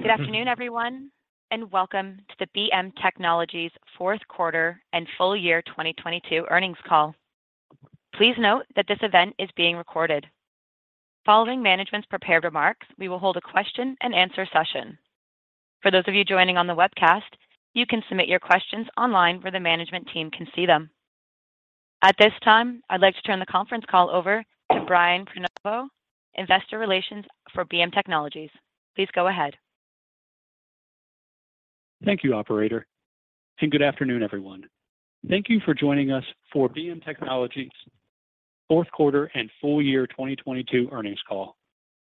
Good afternoon, everyone, and welcome to the BM Technologies fourth quarter and full year 2022 earnings call. Please note that this event is being recorded. Following management's prepared remarks, we will hold a question and answer session. For those of you joining on the webcast, you can submit your questions online where the management team can see them. At this time, I'd like to turn the conference call over to Brian Pernobo, investor relations for BM Technologies. Please go ahead. Thank you, Operator. Good afternoon, everyone. Thank you for joining us for BM Technologies fourth quarter and full year 2022 earnings call.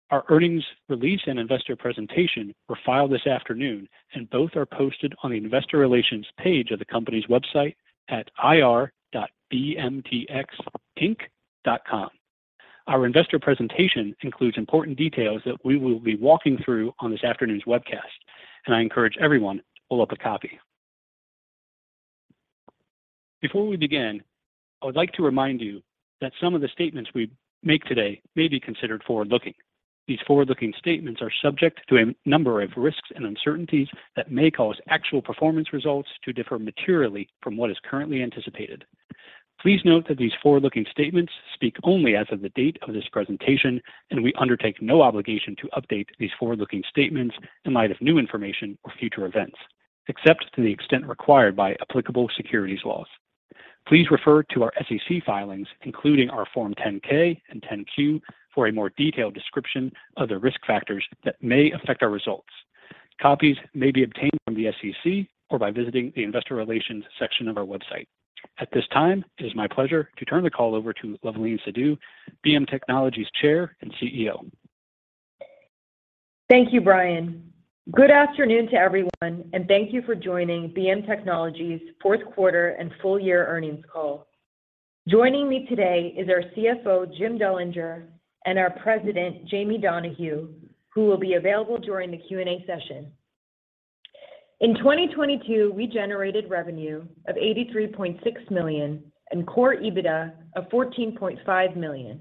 Our earnings release and investor presentation were filed this afternoon and both are posted on the investor relations page of the company's website at ir.bmtxinc.com. Our investor presentation includes important details that we will be walking through on this afternoon's webcast, and I encourage everyone to pull up a copy. Before we begin, I would like to remind you that some of the statements we make today may be considered forward-looking. These forward-looking statements are subject to a number of risks and uncertainties that may cause actual performance results to differ materially from what is currently anticipated. Please note that these forward-looking statements speak only as of the date of this presentation, and we undertake no obligation to update these forward-looking statements in light of new information or future events, except to the extent required by applicable securities laws. Please refer to our SEC filings, including our Form 10-K and Form 10-Q for a more detailed description of the risk factors that may affect our results. Copies may be obtained from the SEC or by visiting the investor relations section of our website. At this time, it is my pleasure to turn the call over to Luvleen Sidhu, BM Technologies Chair and CEO. Thank you, Brian. Good afternoon to everyone, and thank you for joining BM Technologies fourth quarter and full year earnings call. Joining me today is our CFO, Jim Dullinger, and our president, Jamie Donahue, who will be available during the Q&A session. In 2022, we generated revenue of $83.6 million and core EBITDA of $14.5 million.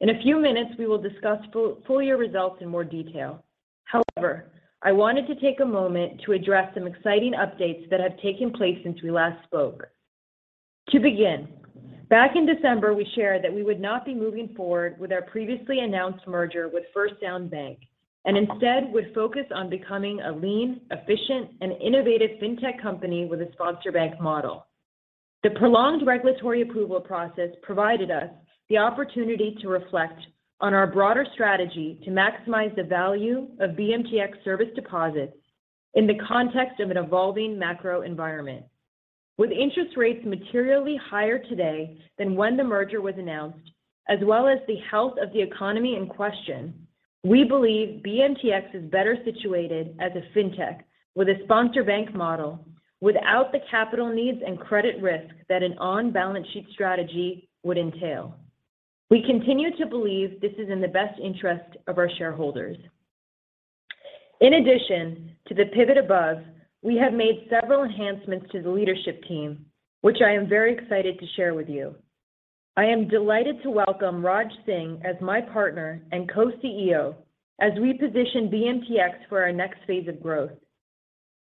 In a few minutes, we will discuss full year results in more detail. I wanted to take a moment to address some exciting updates that have taken place since we last spoke. To begin, back in December, we shared that we would not be moving forward with our previously announced merger with First Sound Bank, and instead would focus on becoming a lean, efficient, and innovative fintech company with a sponsor bank model. The prolonged regulatory approval process provided us the opportunity to reflect on our broader strategy to maximize the value of BMTX service deposits in the context of an evolving macro environment. With interest rates materially higher today than when the merger was announced, as well as the health of the economy in question, we believe BMTX is better situated as a fintech with a sponsor bank model without the capital needs and credit risk that an on-balance sheet strategy would entail. We continue to believe this is in the best interest of our shareholders. In addition to the pivot above, we have made several enhancements to the leadership team, which I am very excited to share with you. I am delighted to welcome Raj Singh as my partner and Co-CEO as we position BMTX for our next phase of growth.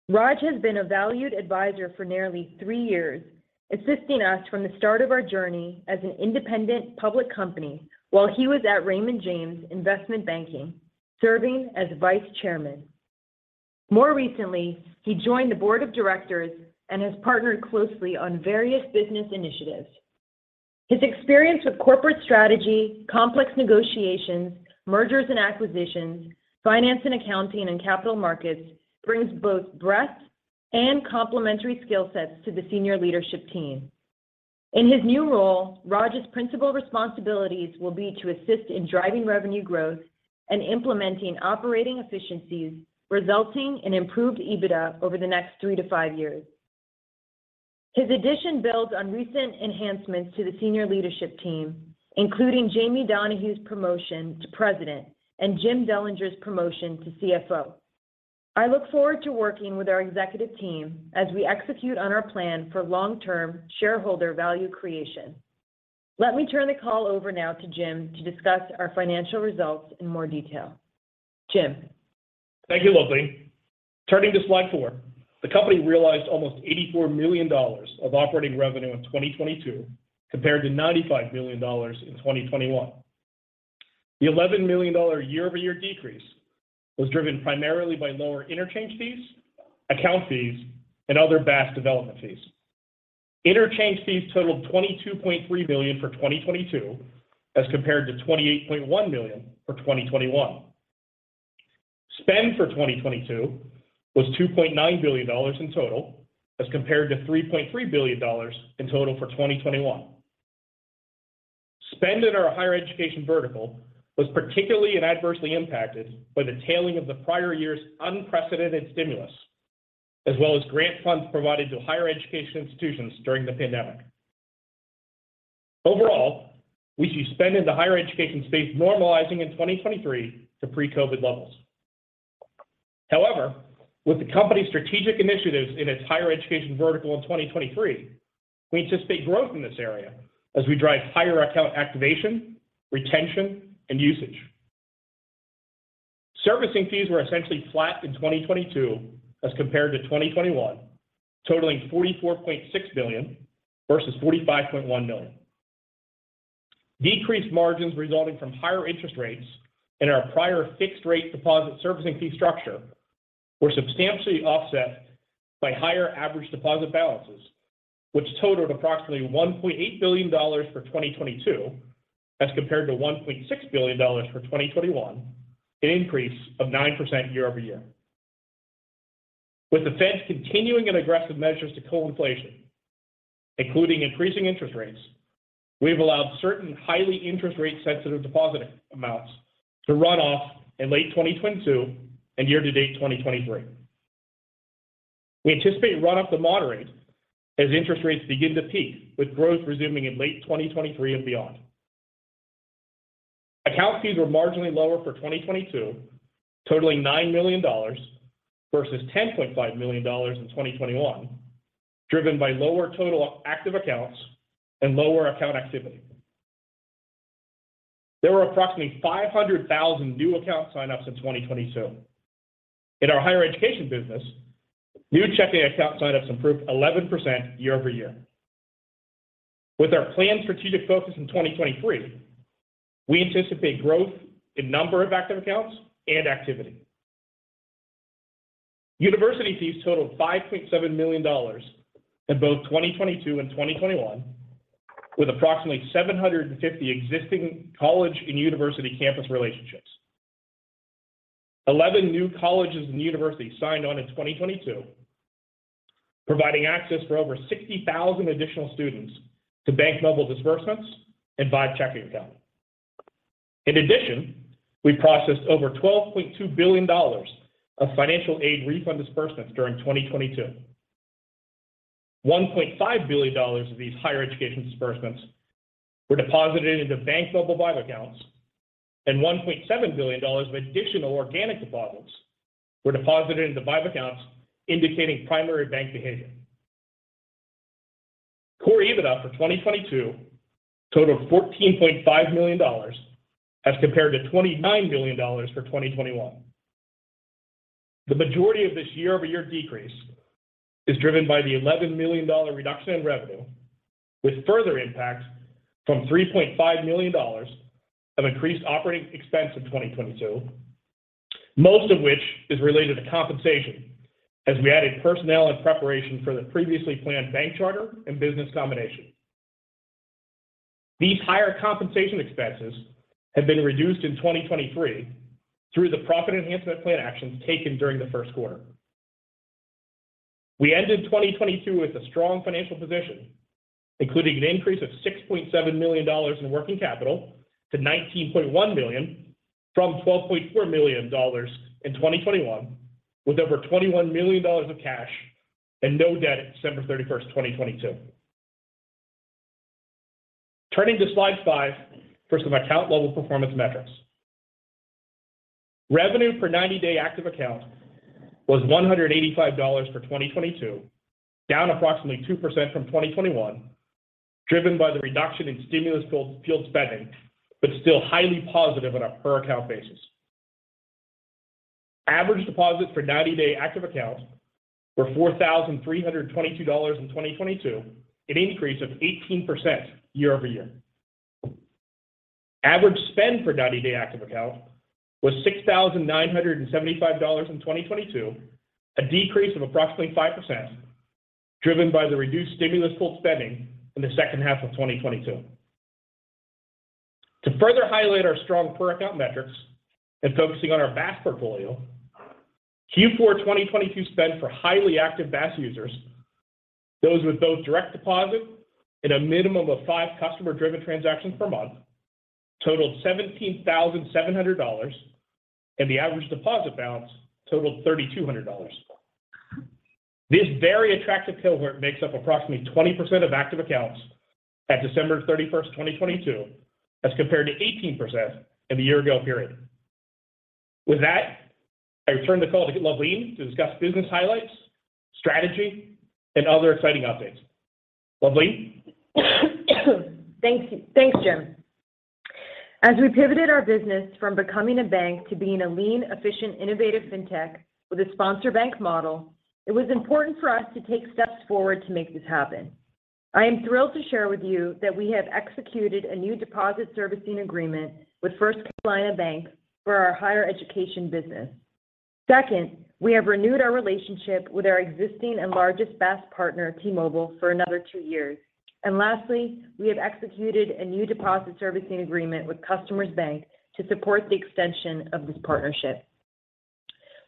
Raj has been a valued advisor for nearly three years, assisting us from the start of our journey as an independent public company while he was at Raymond James Investment Banking, serving as vice chairman. More recently, he joined the board of directors and has partnered closely on various business initiatives. His experience with corporate strategy, complex negotiations, mergers and acquisitions, finance and accounting, and capital markets brings both breadth and complementary skill sets to the senior leadership team. In his new role, Raj's principal responsibilities will be to assist in driving revenue growth and implementing operating efficiencies, resulting in improved EBITDA over the next 3-5 years. His addition builds on recent enhancements to the senior leadership team, including Jamie Donahue's promotion to president and Jim Dullinger's promotion to CFO, I look forward to working with our executive team as we execute on our plan for long-term shareholder value creation. Let me turn the call over now to Jim to discuss our financial results in more detail. Jim. Thank you, Luvleen. Turning to slide four, the company realized almost $84 million of operating revenue in 2022, compared to $95 million in 2021. The $11 million year-over-year decrease was driven primarily by lower interchange fees, account fees, and other BaaS development fees. Interchange fees totaled $22.3 billion for 2022 as compared to $28.1 million for 2021. Spend for 2022 was $2.9 billion in total as compared to $3.3 billion in total for 2021. Spend in our higher education vertical was particularly and adversely impacted by the tailing of the prior year's unprecedented stimulus, as well as grant funds provided to higher education institutions during the pandemic. Overall, we see spend in the higher education space normalizing in 2023 to pre-COVID levels. However, with the company's strategic initiatives in its higher education vertical in 2023, we anticipate growth in this area as we drive higher account activation, retention, and usage. Servicing fees were essentially flat in 2022 as compared to 2021, totaling $44.6 million versus $45.1 million. Decreased margins resulting from higher interest rates and our prior fixed rate deposit servicing fee structure were substantially offset by higher average deposit balances, which totaled approximately $1.8 billion for 2022 as compared to $1.6 billion for 2021, an increase of 9% year-over-year. With the Fed continuing in aggressive measures to cull inflation, including increasing interest rates, we've allowed certain highly interest rate sensitive deposit amounts to run off in late 2022 and year-to-date 2023. We anticipate run off to moderate as interest rates begin to peak, with growth resuming in late 2023 and beyond. Account fees were marginally lower for 2022, totaling $9 million versus $10.5 million in 2021, driven by lower total active accounts and lower account activity. There were approximately 500,000 new account sign-ups in 2022. In our higher education business, new checking account sign-ups improved 11% year-over-year. With our planned strategic focus in 2023, we anticipate growth in number of active accounts and activity. University fees totaled $5.7 million in both 2022 and 2021, with approximately 750 existing college and university campus relationships. 11 new colleges and universities signed on in 2022, providing access for over 60,000 additional students to BankMobile disbursements and Vibe checking account. We processed over $12.2 billion of financial aid refund disbursements during 2022. $1.5 billion of these higher education disbursements were deposited into BankMobile Vibe accounts. $1.7 billion of additional organic deposits were deposited into Vibe accounts, indicating primary bank behavior. Core EBITDA for 2022 totaled $14.5 million as compared to $29 million for 2021. The majority of this year-over-year decrease is driven by the $11 million reduction in revenue, with further impact from $3.5 million of increased operating expense in 2022, most of which is related to compensation as we added personnel in preparation for the previously planned bank charter and business combination. These higher compensation expenses have been reduced in 2023 through the Profit Enhancement Plan actions taken during the first quarter. We ended 2022 with a strong financial position, including an increase of $6.7 million in working capital to $19.1 million from $12.4 million in 2021, with over $21 million of cash and no debt at December 31st, 2022. Turning to slide 5 for some account level performance metrics. Revenue per 90-day active account was $185 for 2022, down approximately 2% from 2021, driven by the reduction in stimulus-fueled spending, but still highly positive on a per account basis. Average deposit per 90-day active account were $4,322 in 2022, an increase of 18% year-over-year. Average spend per 90-day active account was $6,975 in 2022, a decrease of approximately 5%, driven by the reduced stimulus-fueled spending in the second half of 2022. To further highlight our strong per account metrics and focusing on our BaaS portfolio, Q4 2022 spend for highly active BaaS users, those with both direct deposit and a minimum of five customer-driven transactions per month totaled $17,700, and the average deposit balance totaled $3,200. This very attractive cohort makes up approximately 20% of active accounts at December 31st, 2022, as compared to 18% in the year-ago period. With that, I return the call to Luvleen to discuss business highlights, strategy, and other exciting updates. Luvleen? Thanks, Jim. As we pivoted our business from becoming a bank to being a lean, efficient, innovative fintech with a sponsor bank model, it was important for us to take steps forward to make this happen. I am thrilled to share with you that we have executed a new deposit servicing agreement with First Carolina Bank for our higher education business. Second, we have renewed our relationship with our existing and largest BaaS partner, T-Mobile, for another two years. Lastly, we have executed a new deposit servicing agreement with Customers Bank to support the extension of this partnership.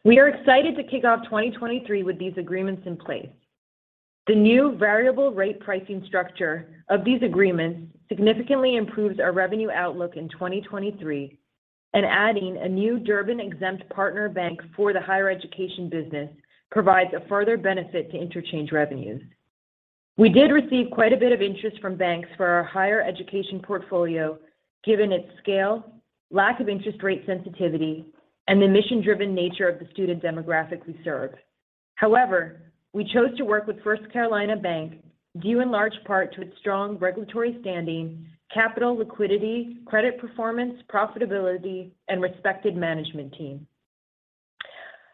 We are excited to kick off 2023 with these agreements in place. The new variable rate pricing structure of these agreements significantly improves our revenue outlook in 2023, and adding a new Durbin exempt partner bank for the higher education business provides a further benefit to interchange revenues. We did receive quite a bit of interest from banks for our higher education portfolio given its scale, lack of interest rate sensitivity, and the mission-driven nature of the student demographic we serve. However, we chose to work with First Carolina Bank due in large part to its strong regulatory standing, capital liquidity, credit performance, profitability, and respected management team.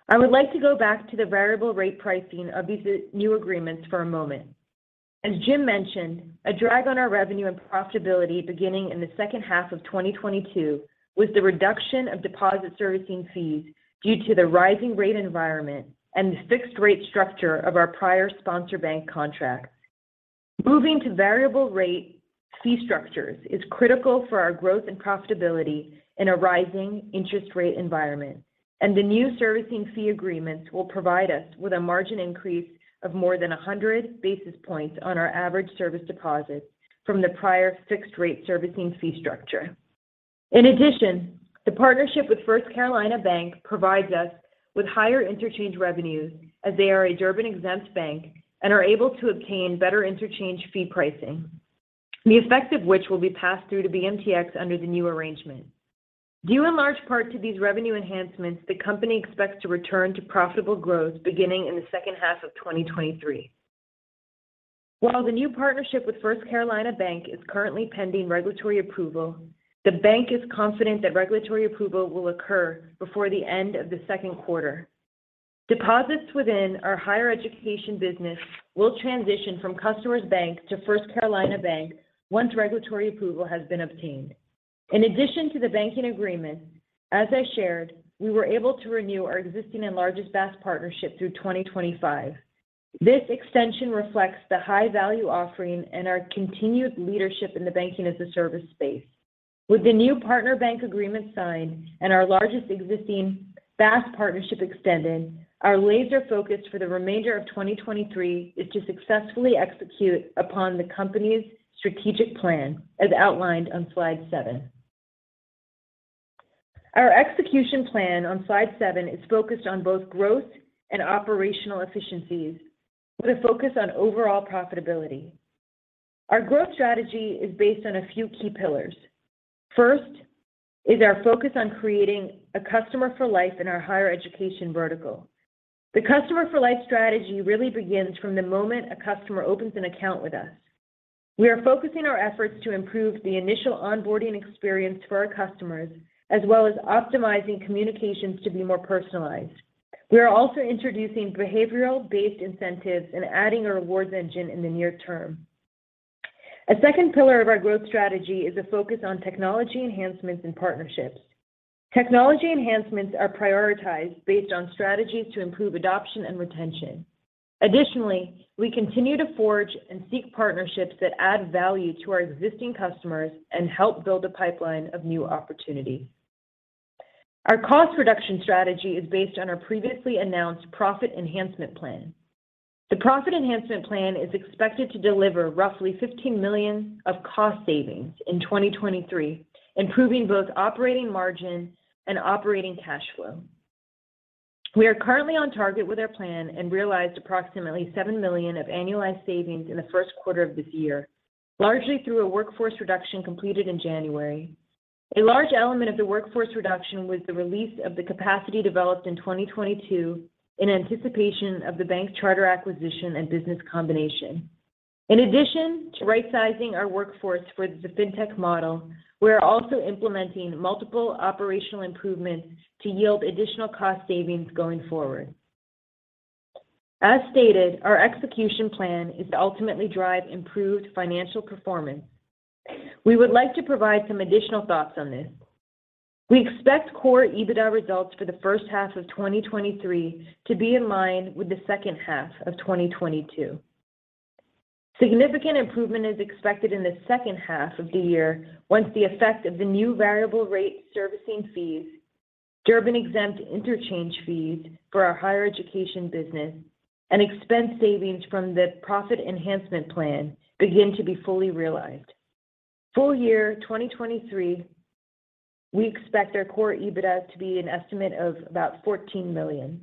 I would like to go back to the variable rate pricing of these new agreements for a moment. As Jim mentioned, a drag on our revenue and profitability beginning in the second half of 2022 was the reduction of deposit servicing fees due to the rising rate environment and the fixed rate structure of our prior sponsor bank contract. Moving to variable rate fee structures is critical for our growth and profitability in a rising interest rate environment, and the new servicing fee agreements will provide us with a margin increase of more than 100 basis points on our average service deposits from the prior fixed-rate servicing fee structure. In addition, the partnership with First Carolina Bank provides us with higher interchange revenues as they are a Durbin-exempt bank and are able to obtain better interchange fee pricing, the effect of which will be passed through to BMTX under the new arrangement. Due in large part to these revenue enhancements, the company expects to return to profitable growth beginning in the second half of 2023. While the new partnership with First Carolina Bank is currently pending regulatory approval, the bank is confident that regulatory approval will occur before the end of the second quarter. Deposits within our higher education business will transition from Customers Bank to First Carolina Bank once regulatory approval has been obtained. In addition to the banking agreement, as I shared, we were able to renew our existing and largest BaaS partnership through 2025. This extension reflects the high-value offering and our continued leadership in the Banking-as-a-Service space. With the new partner bank agreement signed and our largest existing BaaS partnership extended, our laser focus for the remainder of 2023 is to successfully execute upon the company's strategic plan as outlined on slide seven. Our execution plan on slide seve is focused on both growth and operational efficiencies with a focus on overall profitability. Our growth strategy is based on a few key pillars. First is our focus on creating a customer for life in our higher education vertical. The customer-for-life strategy really begins from the moment a customer opens an account with us. We are focusing our efforts to improve the initial onboarding experience for our customers as well as optimizing communications to be more personalized..We are also introducing behavioral-based incentives and adding a rewards engine in the near term. A second pillar of our growth strategy is a focus on technology enhancements and partnerships. Technology enhancements are prioritized based on strategies to improve adoption and retention. Additionally, we continue to forge and seek partnerships that add value to our existing customers and help build a pipeline of new opportunities. Our cost reduction strategy is based on our previously announced Profit Enhancement Plan. The Profit Enhancement Plan is expected to deliver roughly $15 million of cost savings in 2023, improving both operating margin and operating cash flow. We are currently on target with our plan and realized approximately $7 million of annualized savings in the first quarter of this year, largely through a workforce reduction completed in January..A large element of the workforce reduction was the release of the capacity developed in 2022 in anticipation of the bank's charter acquisition and business combination. In addition to right-sizing our workforce for the fintech model, we are also implementing multiple operational improvements to yield additional cost savings going forward. As stated, our execution plan is to ultimately drive improved financial performance. We would like to provide some additional thoughts on this. We expect core EBITDA results for the first half of 2023 to be in line with the second half of 2022. Significant improvement is expected in the second half of the year once the effect of the new variable rate servicing fees, Durbin exempt interchange fees for our higher education business, and expense savings from the Profit Enhancement Plan begin to be fully realized. Full year 2023, we expect our core EBITDA to be an estimate of about $14 million.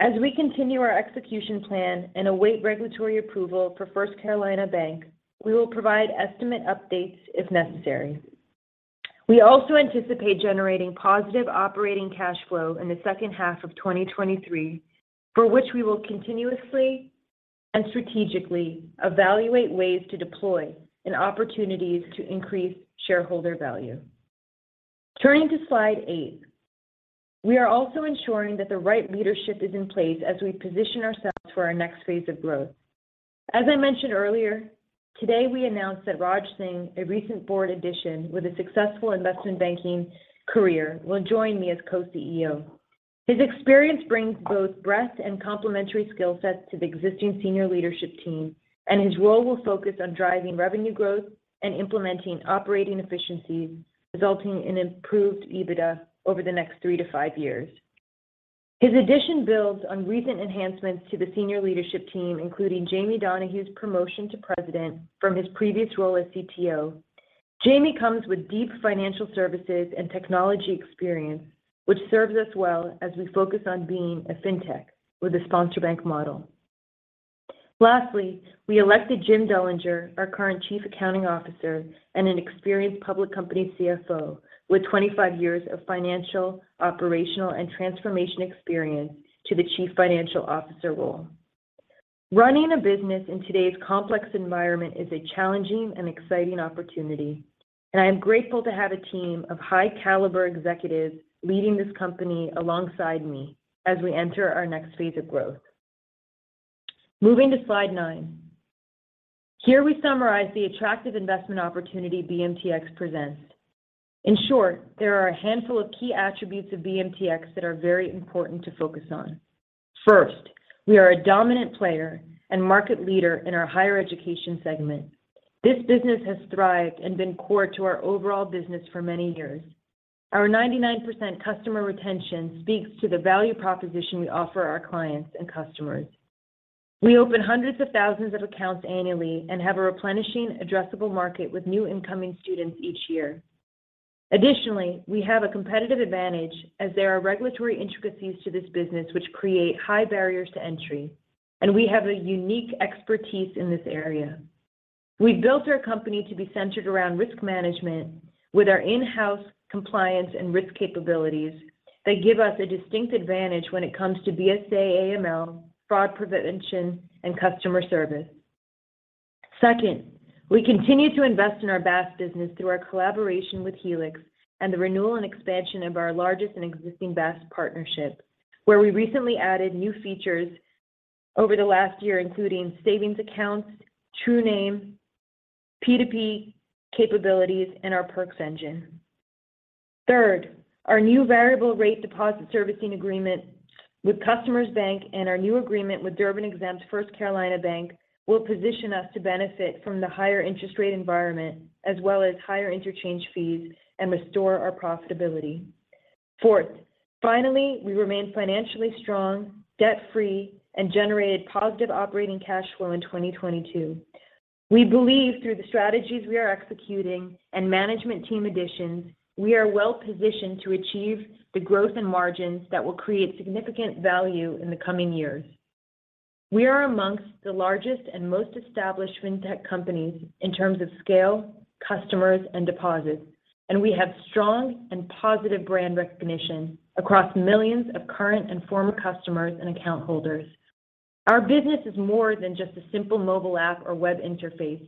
As we continue our execution plan and await regulatory approval for First Carolina Bank, we will provide estimate updates if necessary. We also anticipate generating positive operating cash flow in the second half of 2023, for which we will continuously and strategically evaluate ways to deploy and opportunities to increase shareholder value. Turning to slide 8, we are also ensuring that the right leadership is in place as we position ourselves for our next phase of growth. As I mentioned earlier, today we announced that Raj Singh, a recent board addition with a successful investment banking career, will join me as co-CEO. His experience brings both breadth and complementary skill sets to the existing senior leadership team, his role will focus on driving revenue growth and implementing operating efficiencies, resulting in improved EBITDA over the next three to five years. His addition builds on recent enhancements to the senior leadership team, including Jamie Donahue's promotion to President from his previous role as CTO. Jamie comes with deep financial services and technology experience, which serves us well as we focus on being a fintech with a sponsor bank model. We elected Jim Dullinger, our current chief accounting officer and an experienced public company CFO with 25 years of financial, operational and transformation experience to the chief financial officer role. Running a business in today's complex environment is a challenging and exciting opportunity. I am grateful to have a team of high caliber executives leading this company alongside me as we enter our next phase of growth. Moving to slide nine. Here we summarize the attractive investment opportunity BMTX presents. In short, there are a handful of key attributes of BMTX that are very important to focus on. We are a dominant player and market leader in our higher education segment. This business has thrived and been core to our overall business for many years. Our 99% customer retention speaks to the value proposition we offer our clients and customers. We open hundreds of thousands of accounts annually and have a replenishing addressable market with new incoming students each year. Additionally, we have a competitive advantage as there are regulatory intricacies to this business which create high barriers to entry, and we have a unique expertise in this area. We built our company to be centered around risk management with our in-house compliance and risk capabilities that give us a distinct advantage when it comes to BSA/AML, fraud prevention and customer service. Second, we continue to invest in our BaaS business through our collaboration with Helix and the renewal and expansion of our largest and existing BaaS partnership, where we recently added new features over the last year, including savings accounts, True Name, P2P capabilities, and our perks engine. Third, our new variable rate deposit servicing agreement with Customers Bank and our new agreement with Durbin-exempt First Carolina Bank will position us to benefit from the higher interest rate environment as well as higher interchange fees and restore our profitability. Fourth, finally, we remain financially strong, debt-free and generated positive operating cash flow in 2022. We believe through the strategies we are executing and management team additions, we are well positioned to achieve the growth in margins that will create significant value in the coming years. We are amongst the largest and most established fintech companies in terms of scale, customers and deposits. We have strong and positive brand recognition across millions of current and former customers and account holders. Our business is more than just a simple mobile app or web interface.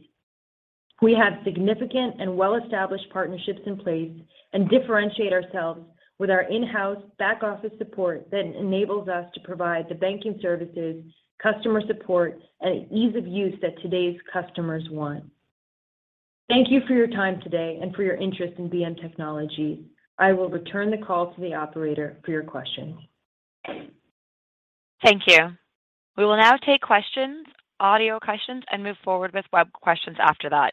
We have significant and well-established partnerships in place and differentiate ourselves with our in-house back office support that enables us to provide the banking services, customer support and ease of use that today's customers want. Thank you for your time today and for your interest in BM Technologies. I will return the call to the operator for your questions. Thank you. We will now take questions, audio questions and move forward with web questions after that.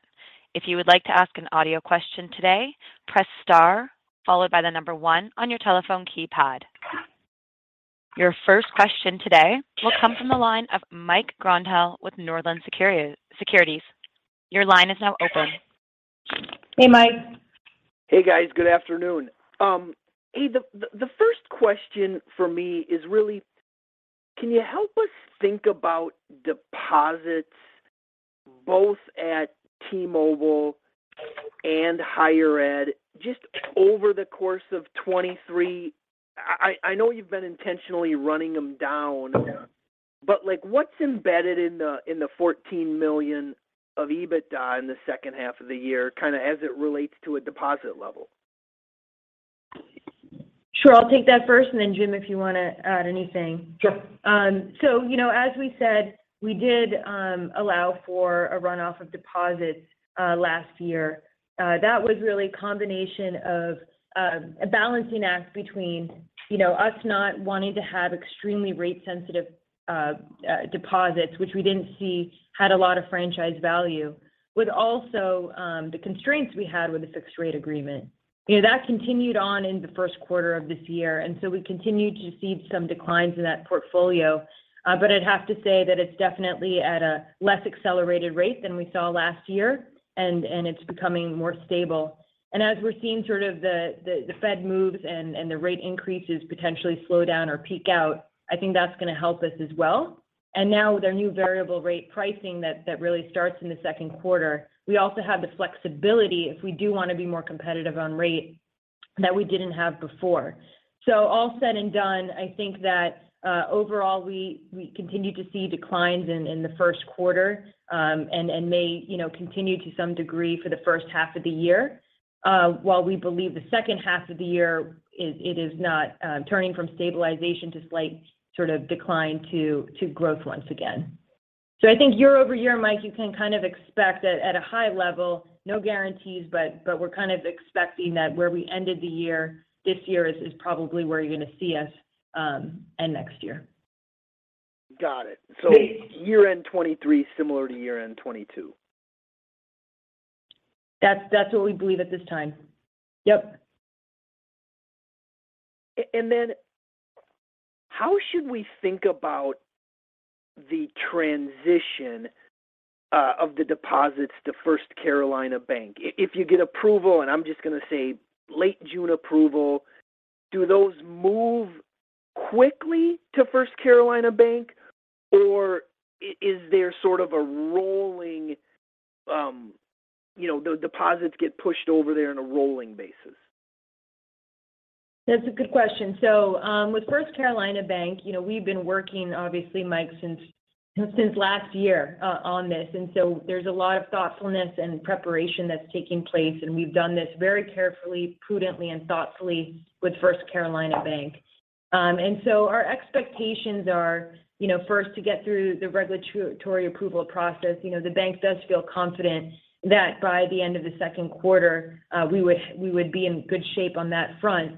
If you would like to ask an audio question today, press star followed by the number one on your telephone keypad. Your first question today will come from the line of Mike Grondahl with Northland Securities. Your line is now open. Hey, Mike. Hey, guys. Good afternoon. The first question for me is really, can you help us think about deposits both at T-Mobile and higher ed just over the course of 2023? I know you've been intentionally running them down, but, like, what's embedded in the $14 million of EBITDA in the second half of the year, kinda as it relates to a deposit level? Sure. I'll take that first and then Jim, if you want to add anything. Sure. You know, as we said, we did allow for a runoff of deposits last year. That was really a combination of a balancing act between, you know, us not wanting to have extremely rate sensitive deposits, which we didn't see had a lot of franchise value, with also the constraints we had with the fixed rate agreement. You know, that continued on in the first quarter of this year. We continued to see some declines in that portfolio. I'd have to say that it's definitely at a less accelerated rate than we saw last year. It's becoming more stable. As we're seeing sort of the Fed moves and the rate increases potentially slow down or peak out, I think that's going to help us as well. Now with our new variable rate pricing that really starts in the second quarter, we also have the flexibility if we do want to be more competitive on rate that we didn't have before. All said and done, I think that overall we continue to see declines in the first quarter, and may, you know, continue to some degree for the first half of the year. While we believe the second half of the year it is not turning from stabilization to slight sort of decline to growth once again. I think year-over-year, Mike, you can kind of expect at a high level, no guarantees, but we're kind of expecting that where we ended the year this year is probably where you're going to see us end next year. Got it. Year end 23 similar to year end 22. That's what we believe at this time. Yep. How should we think about the transition of the deposits to First Carolina Bank? If you get approval, and I'm just gonna say late June approval, do those move quickly to First Carolina Bank? Is there sort of a rolling, you know, the deposits get pushed over there on a rolling basis? That's a good question. With First Carolina Bank, you know, we've been working, obviously, Mike, since last year on this. There's a lot of thoughtfulness and preparation that's taking place, and we've done this very carefully, prudently, and thoughtfully with First Carolina Bank. Our expectations are, you know, first to get through the regulatory approval process. You know, the bank does feel confident that by the end of the second quarter, we would be in good shape on that front.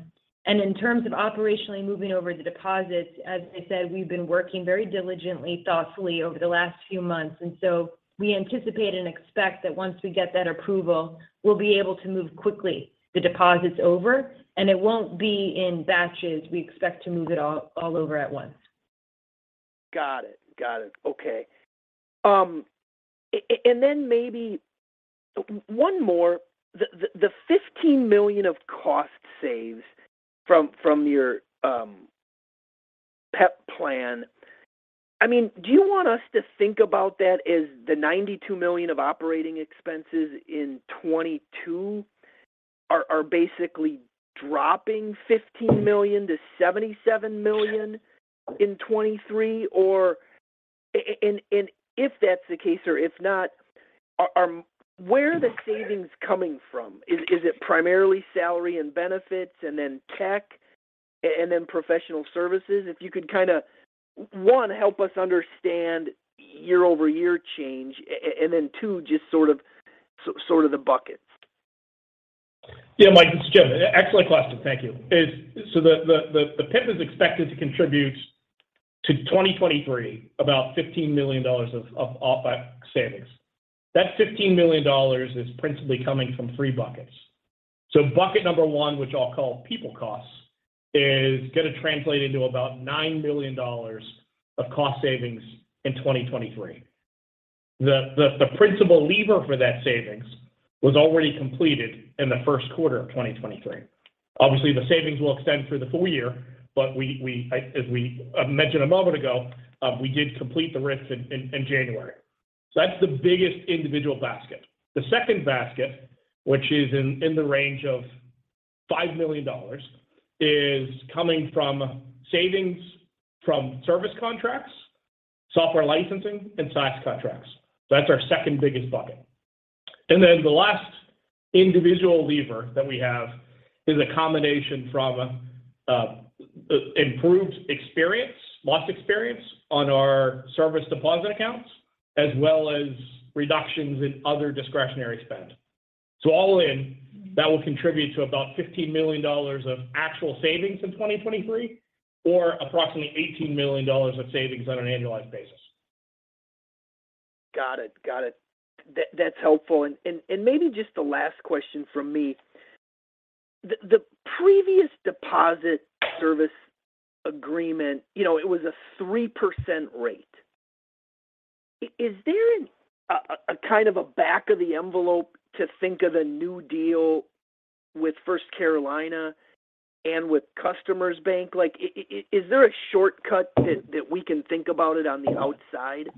In terms of operationally moving over the deposits, as I said, we've been working very diligently, thoughtfully over the last few months. We anticipate and expect that once we get that approval, we'll be able to move quickly the deposits over, and it won't be in batches. We expect to move it all over at once. Got it. Got it. Okay. And then one more. The $15 million of cost saves from your PEP plan. I mean, do you want us to think about that as the $92 million of operating expenses in 2022 are basically dropping $15 million to $77 million in 2023? Or? If that's the case, or if not, where are the savings coming from? Is it primarily salary and benefits and then tech and then professional services? If you could kinda, one, help us understand year-over-year change, and then two, just sort of the buckets. Yeah, Mike, it's Jim. Excellent question. Thank you. The PEP is expected to contribute to 2023 about $15 million of savings. That $15 million is principally coming from three buckets. Bucket number one, which I'll call people costs, is gonna translate into about $9 million of cost savings in 2023. The principal lever for that savings was already completed in the first quarter of 2023. Obviously, the savings will extend through the full year, as we mentioned a moment ago, we did complete the RIF in January. That's the biggest individual basket. The second basket, which is in the range of $5 million, is coming from savings from service contracts, software licensing, and SaaS contracts. That's our second biggest bucket. The last individual lever that we have is a combination from improved experience, loss experience on our service deposit accounts, as well as reductions in other discretionary spend. All in, that will contribute to about $15 million of actual savings in 2023 or approximately $18 million of savings on an annualized basis. Got it. That's helpful. Maybe just the last question from me. The previous deposit service agreement, you know, it was a 3% rate. Is there a kind of a back of the envelope to think of the new deal with First Carolina and with Customers Bank? Like, is there a shortcut that we can think about it on the outside?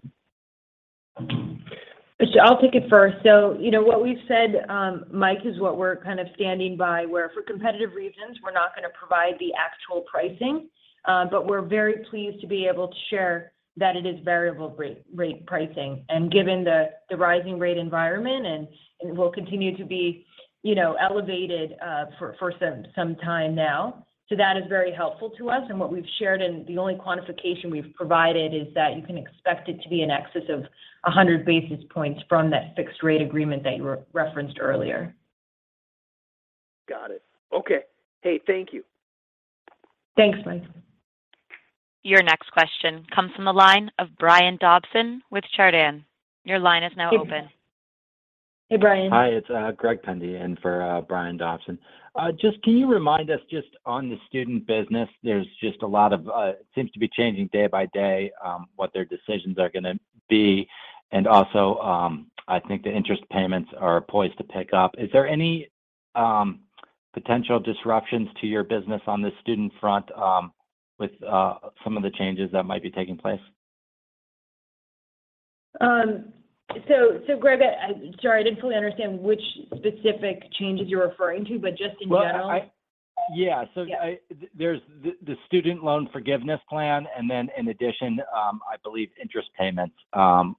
I'll take it first. You know, what we've said, Mike, is what we're kind of standing by, where for competitive reasons, we're not gonna provide the actual pricing. But we're very pleased to be able to share that it is variable rate pricing, and given the rising rate environment and it will continue to be, you know, elevated for some time now. That is very helpful to us. What we've shared and the only quantification we've provided is that you can expect it to be in excess of 100 basis points from that fixed rate agreement that you referenced earlier. Got it. Okay. Hey, thank you. Thanks, Mike. Your next question comes from the line of Brian Dobson with Chardan. Your line is now open. Hey, Brian. Hi, it's Greg Pendy in for Brian Dobson. Just can you remind us just on the student business, there's just a lot of it seems to be changing day by day, what their decisions are gonna be. I think the interest payments are poised to pick up. Is there any potential disruptions to your business on the student front, with some of the changes that might be taking place? Greg, sorry, I didn't fully understand which specific changes you're referring to, but just in general. Well, Yeah. Yeah. There's the student loan forgiveness plan, and then in addition, I believe interest payments,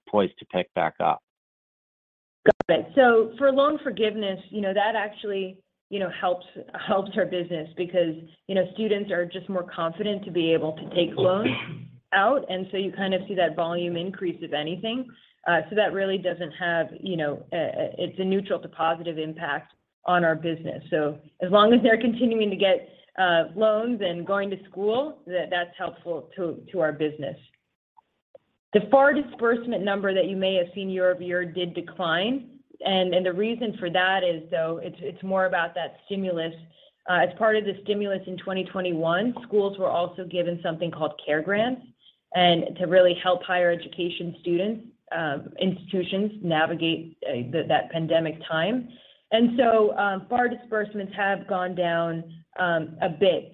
poised to pick back up. Got it. For loan forgiveness, you know, that actually, you know, helps our business because, you know, students are just more confident to be able to take loans out. You kind of see that volume increase of anything. That really doesn't have, you know, it's a neutral to positive impact on our business. As long as they're continuing to get loans and going to school, that's helpful to our business. The far disbursement number that you may have seen year-over-year did decline. The reason for that is, though, it's more about that stimulus. As part of the stimulus in 2021, schools were also given something called CARES Grants and to really help higher education students, institutions navigate that pandemic time. Far disbursements have gone down a bit.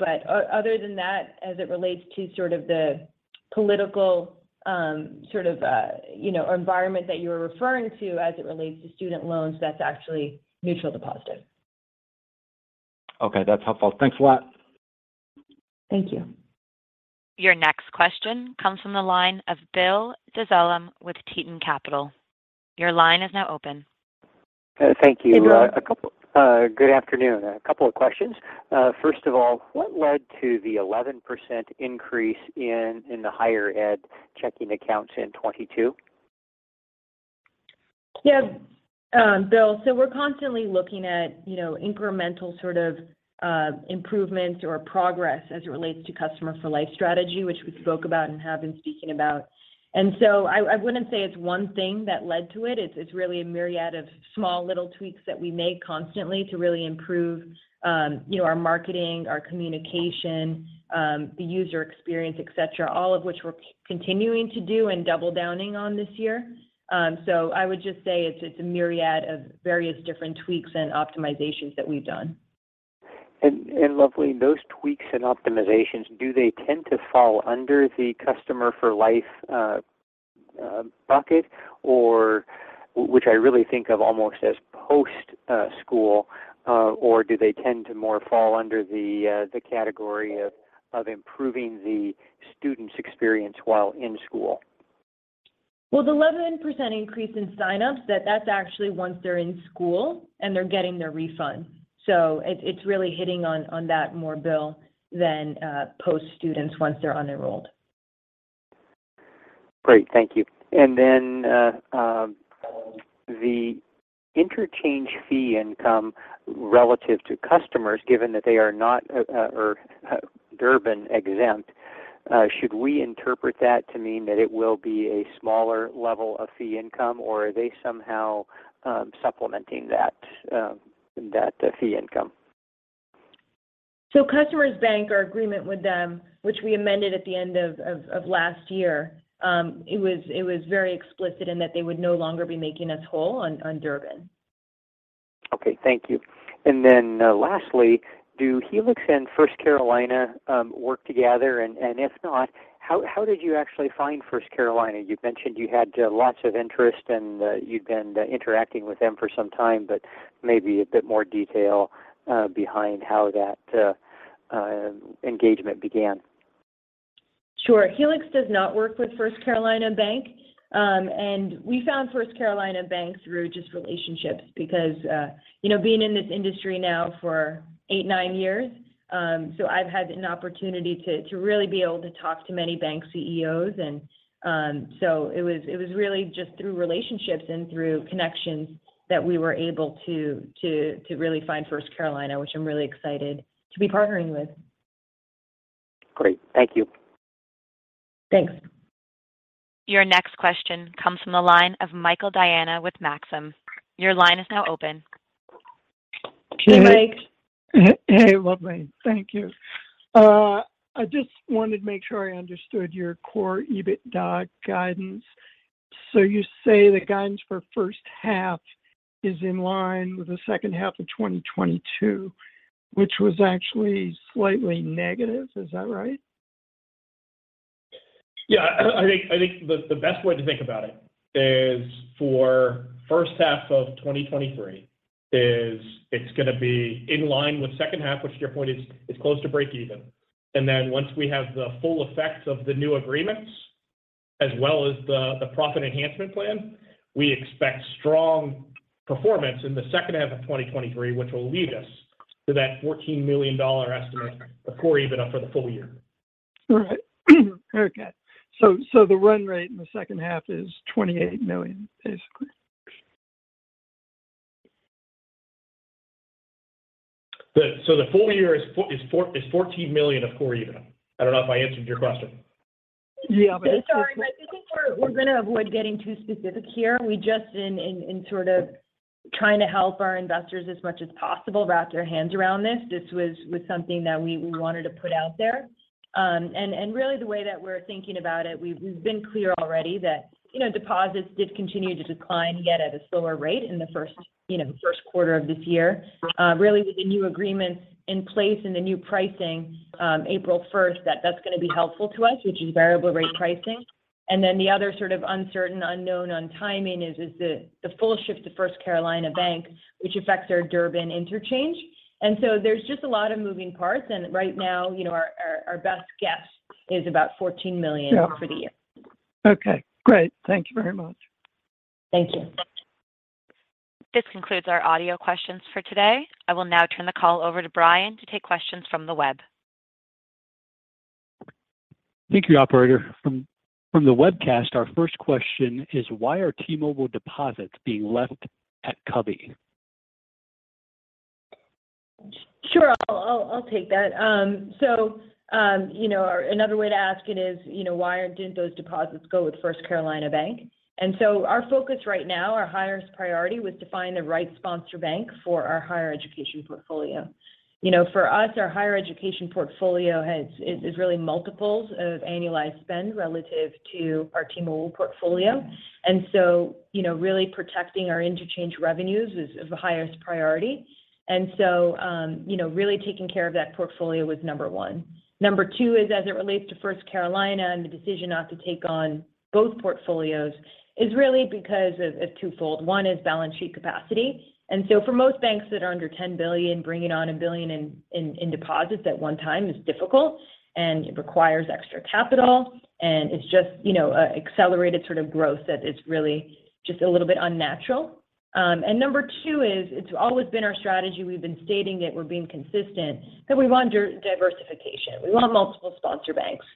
Other than that, as it relates to sort of the political, sort of, you know, environment that you're referring to as it relates to student loans, that's actually neutral to positive. Okay. That's helpful. Thanks a lot. Thank you. Your next question comes from the line of Bill Dezellem with Tieton Capital. Your line is now open. Thank you. Hey, Bill. Good afternoon. A couple of questions. First of all, what led to the 11% increase in the higher ed checking accounts in 2022? Bill, we're constantly looking at, you know, incremental sort of improvements or progress as it relates to customer for life strategy, which we spoke about and have been speaking about. I wouldn't say it's one thing that led to it. It's really a myriad of small little tweaks that we make constantly to really improve, you know, our marketing, our communication, the user experience, etc, all of which we're continuing to do and double downing on this year. I would just say it's a myriad of various different tweaks and optimizations that we've done. Luvleen, those tweaks and optimizations, do they tend to fall under the customer for life bucket or which I really think of almost as post school or do they tend to more fall under the category of improving the student's experience while in school? Well, the 11% increase in signups, that's actually once they're in school and they're getting their refund. It's really hitting on that more, Bill, than, post-students once they're unenrolled. Great. Thank you. The interchange fee income relative to Customers, given that they are not, or Durbin exempt, should we interpret that to mean that it will be a smaller level of fee income, or are they somehow supplementing that fee income? Customers Bank, our agreement with them, which we amended at the end of last year, it was very explicit in that they would no longer be making us whole on Durbin. Okay. Thank you. Lastly, do Helix and First Carolina work together? If not, how did you actually find First Carolina? You mentioned you had lots of interest and you'd been interacting with them for some time, but maybe a bit more detail behind how that engagement began. Sure. Helix does not work with First Carolina Bank. We found First Carolina Bank through just relationships because, you know, being in this industry now for eight, nine years, I've had an opportunity to really be able to talk to many bank CEOs. It was really just through relationships and through connections that we were able to really find First Carolina, which I'm really excited to be partnering with. Great. Thank you. Thanks. Your next question comes from the line of Michael Diana with Maxim. Your line is now open. Hey, Mike. Hey, Luvleen. Thank you. I just wanted to make sure I understood your core EBITDA guidance. You say the guidance for first half is in line with the second half of 2022, which was actually slightly negative. Is that right? Yeah. I think the best way to think about it is for first half of 2023 is it's gonna be in line with second half, which to your point is close to breakeven. Once we have the full effect of the new agreements as well as the Profit Enhancement Plan, we expect strong performance in the second half of 2023, which will lead us to that $14 million estimate of core EBITDA for the full year. All right. Okay. The run rate in the second half is $28 million, basically. The full year is $14 million of core EBITDA. I don't know if I answered your question. Yeah, it's. Sorry, Mike. I think we're gonna avoid getting too specific here. We just in sort of trying to help our investors as much as possible wrap their hands around this. This was something that we wanted to put out there. Really the way that we're thinking about it, we've been clear already that, you know, deposits did continue to decline yet at a slower rate in the first, you know, first quarter of this year. Really with the new agreements in place and the new pricing, April 1st, that's gonna be helpful to us, which is variable rate pricing. Then the other sort of uncertain unknown on timing is the full shift to First Carolina Bank, which affects our Durbin interchange. There's just a lot of moving parts and right now, you know, our best guess is about $14 million- Yeah for the year. Okay, great. Thank you very much. Thank you. This concludes our audio questions for today. I will now turn the call over to Brian to take questions from the web. Thank you, operator. From the webcast, our first question is why are T-Mobile deposits being left at Customers Bank? I'll take that. You know, another way to ask it is, you know, why didn't those deposits go with First Carolina Bank? Our focus right now, our highest priority was to find the right sponsor bank for our higher education portfolio. You know, for us, our higher education portfolio is really multiples of annualized spend relative to our T-Mobile portfolio. You know, really protecting our interchange revenues is the highest priority. You know, really taking care of that portfolio was number one. Number two is as it relates to First Carolina and the decision not to take on both portfolios is really because of twofold. One is balance sheet capacity. For most banks that are under 10 billion, bringing on $1 billion in deposits at one time is difficult and it requires extra capital. It's just, you know, a accelerated sort of growth that is really just a little bit unnatural. Number two is it's always been our strategy. We've been stating it, we're being consistent, that we want diversification. We want multiple sponsor banks.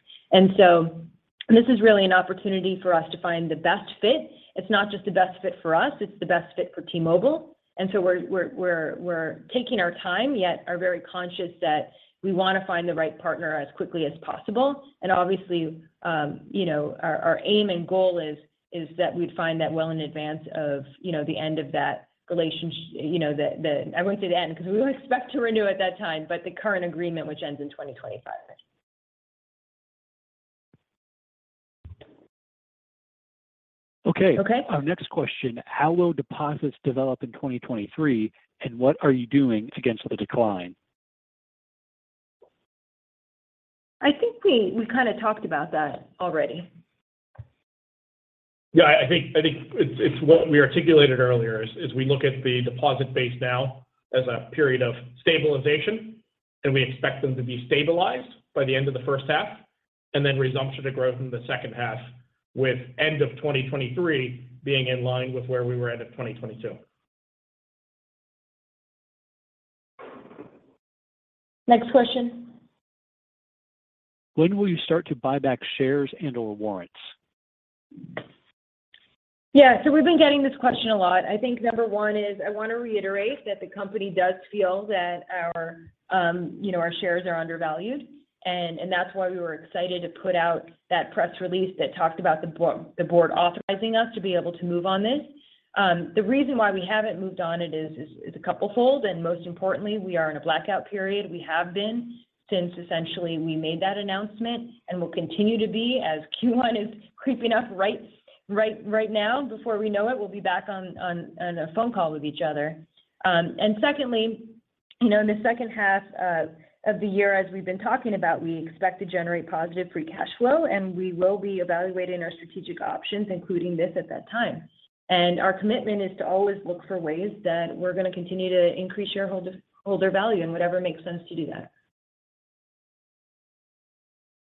This is really an opportunity for us to find the best fit. It's not just the best fit for us, it's the best fit for T-Mobile. We're taking our time, yet are very conscious that we wanna find the right partner as quickly as possible. Obviously, you know, our aim and goal is that we'd find that well in advance of, you know, the end of that you know, the I wouldn't say the end 'cause we would expect to renew at that time, but the current agreement, which ends in 2025. Okay. Okay. Our next question, how will deposits develop in 2023, and what are you doing against the decline? I think we kinda talked about that already. Yeah, I think it's what we articulated earlier is, we look at the deposit base now as a period of stabilization. We expect them to be stabilized by the end of the first half, then resumption to growth in the second half, with end of 2023 being in line with where we were end of 2022. Next question. When will you start to buy back shares and/or warrants? Yeah. We've been getting this question a lot. I think number one is I wanna reiterate that the company does feel that our, you know, our shares are undervalued. And that's why we were excited to put out that press release that talked about the board authorizing us to be able to move on this. The reason why we haven't moved on it is a couple fold. Most importantly, we are in a blackout period. We have been since essentially we made that announcement and will continue to be as Q1 is creeping up right now. Before we know it, we'll be back on a phone call with each other. Secondly, you know, in the second half of the year, as we've been talking about, we expect to generate positive free cash flow, and we will be evaluating our strategic options, including this at that time. Our commitment is to always look for ways that we're gonna continue to increase shareholder value in whatever makes sense to do that.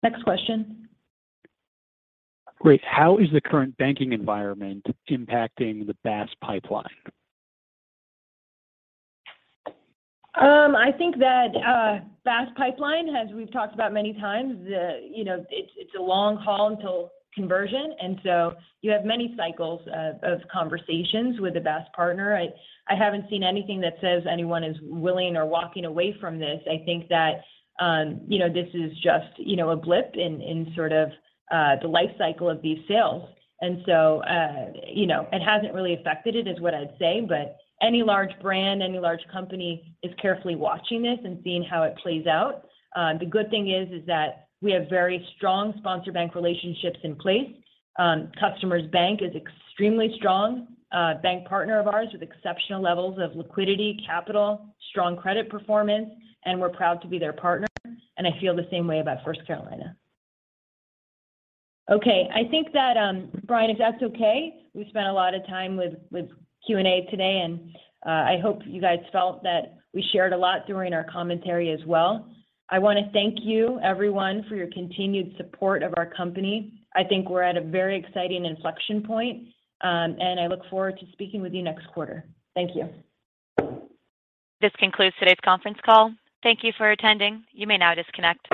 Next question. Great. How is the current banking environment impacting the BaaS pipeline? I think that BaaS pipeline, as we've talked about many times, you know, it's a long haul until conversion, you have many cycles of conversations with a BaaS partner. I haven't seen anything that says anyone is willing or walking away from this. I think that, you know, this is just, you know, a blip in sort of the life cycle of these sales. You know, it hasn't really affected it, is what I'd say. Any large brand, any large company is carefully watching this and seeing how it plays out. The good thing is that we have very strong sponsor bank relationships in place. Customers Bank is extremely strong bank partner of ours with exceptional levels of liquidity, capital, strong credit performance. We're proud to be their partner. I feel the same way about First Carolina. I think that Brian, if that's okay, we've spent a lot of time with Q&A today. I hope you guys felt that we shared a lot during our commentary as well. I wanna thank you everyone for your continued support of our company. I think we're at a very exciting inflection point. I look forward to speaking with you next quarter. Thank you. This concludes today's conference call. Thank you for attending. You may now disconnect.